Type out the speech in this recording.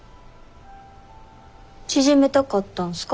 縮めたかったんすか？